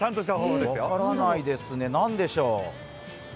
分からないですね、何でしょう。